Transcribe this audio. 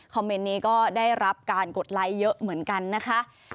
เมนต์นี้ก็ได้รับการกดไลค์เยอะเหมือนกันนะคะ